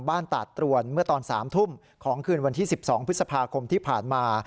ตาดตรวนเมื่อตอน๓ทุ่มของคืนวันที่๑๒พฤษภาคมที่ผ่านมา